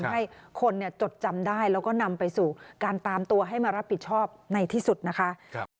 ไม่เห็นข่าวซ่อมรถอะไรอย่างนี้ให้หนูเอาไปเข้าสู่แล้วก็เช็คราคาตาม